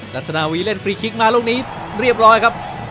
รัชนาวีเล่นฟรีคลิกมาลูกนี้เรียบร้อยครับ